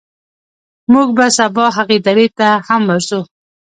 موږ به سبا هغې درې ته هم ورځو.